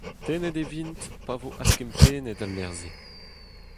Tennet e vint pa vo adkempennet al lec'h-se.